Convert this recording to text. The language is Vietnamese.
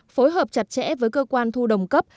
phối hợp chặt chẽ với cơ quan thu đồng cấp